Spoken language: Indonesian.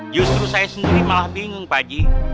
justru saya sendiri malah bingung pak ji